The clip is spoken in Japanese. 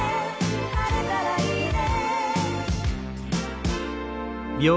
「晴れたらいいね」